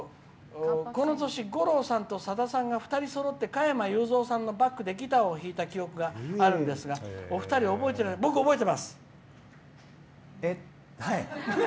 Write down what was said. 「この年、五郎さんとさださんが２人そろって加山雄三さんのバックでギターを弾いた記憶があるんですがお二人、覚えてますか？」。